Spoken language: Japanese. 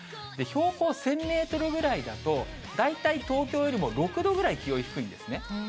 標高１０００メートルぐらいだと、大体東京よりも６度ぐらい気温低いんですね。